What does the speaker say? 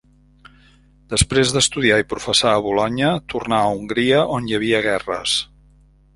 Després d'estudiar i professar a Bolonya, tornà a Hongria, on hi havia guerres.